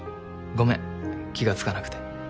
ごめん気が付かなくて。